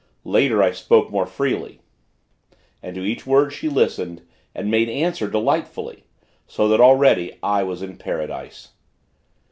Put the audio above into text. Later, I spoke more freely, and to each word she listened, and made answer, delightfully; so that, already, I was in Paradise.